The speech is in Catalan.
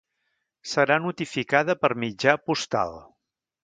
Serà notificada per mitjà postal.